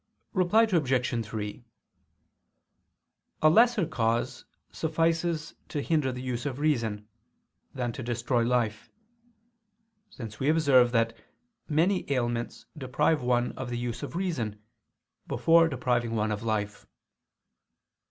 Reply Obj. 3: A lesser cause suffices to hinder the use of reason, than to destroy life: since we observe that many ailments deprive one of the use of reason, before depriving one of life.